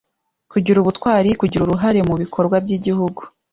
kugira ubutwari, kugira uruhare mu bikorwa by’Igihugu